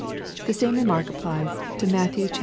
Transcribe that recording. The same remark applies to Matt. xii.